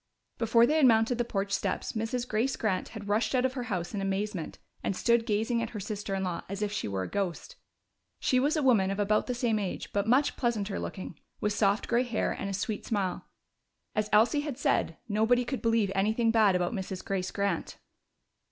Before they had mounted the porch steps, Mrs. Grace Grant had rushed out of her house in amazement and stood gazing at her sister in law as if she were a ghost. She was a woman of about the same age, but much pleasanter looking, with soft gray hair and a sweet smile. As Elsie had said, nobody could believe anything bad about Mrs. Grace Grant.